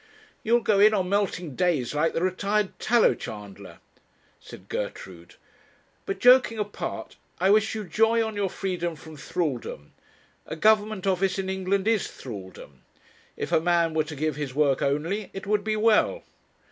'You'll go in on melting days, like the retired tallow chandler,' said Gertrude; 'but, joking apart, I wish you joy on your freedom from thraldom; a government office in England is thraldom. If a man were to give his work only, it would be well.